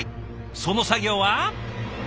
その作業は。